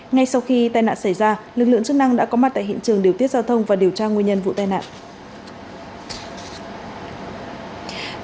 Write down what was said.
ngay sau khi tai nạn xảy ra lực lượng chức năng đã có mặt tại hiện trường điều tiết giao thông và điều tra nguyên nhân vụ tai nạn